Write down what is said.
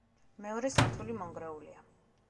მეორე სართული მონგრეულია.